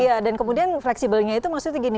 iya dan kemudian fleksibelnya itu maksudnya gini